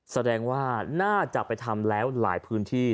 แสดงว่าน่าจะไปทำแล้วหลายพื้นที่